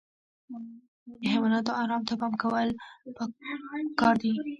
د حیواناتو ارام ته پام کول پکار دي.